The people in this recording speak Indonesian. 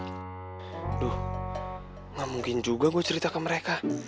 aduh gak mungkin juga gue cerita ke mereka